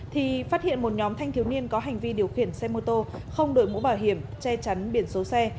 thì phát hiện một nhóm thanh thiếu niên có hành vi điều khiển xe mô tô không đổi mũ bảo hiểm che chắn biển số xe